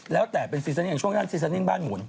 แล้วแต่เป็นซีซันนิ่งช่วงนั้นซีซันนิ่งบ้านหมุน